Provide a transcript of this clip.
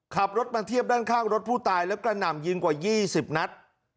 ขับรถมาเทียบด้านข้างรถผู้ตายแล้วกระหน่ำยิงกว่า๒๐นัด